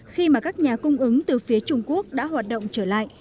khi mà các nhà cung ứng từ phía trung quốc đã hoạt động trở lại